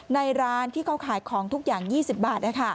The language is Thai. ร้านที่เขาขายของทุกอย่าง๒๐บาท